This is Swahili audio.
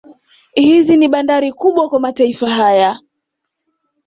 Hizi ni bandari kubwa kwa mataifa haya